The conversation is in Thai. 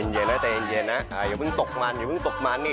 เย็นนะใจเย็นนะอย่าเพิ่งตกมันอย่าเพิ่งตกมันนี่